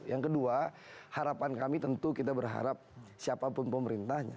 yang kedua harapan kami tentu kita berharap siapapun pemerintahnya